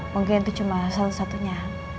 mungkin itu cuma salah satunya